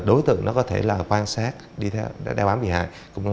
đối tượng nó có thể là quan sát đi đeo bám bị hại